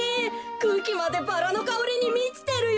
くうきまでバラのかおりにみちてるよ。